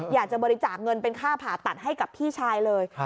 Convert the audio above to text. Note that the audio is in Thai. อยากจะบริจาคเงินเป็นค่าผ่าตัดให้กับพี่ชายเลย